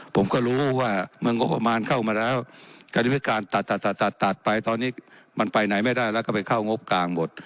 ผมก็รู้ว่าเมื่องบประมาณเข้ามาแล้วการที่พิการตัดตัดไปตอนนี้มันไปไหนไม่ได้แล้วก็ไปเข้างบกลางหมด